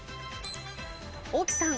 大木さん。